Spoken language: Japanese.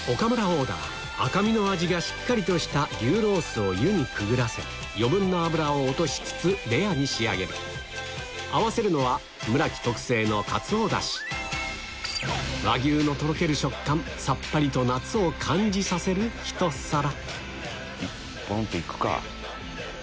オーダー赤身の味がしっかりとした牛ロースを湯にくぐらせ余分な脂を落としつつレアに仕上げる合わせるのはむらき特製のかつおダシ和牛のとろける食感さっぱりと夏を感じさせるひと皿ボン！と行くか。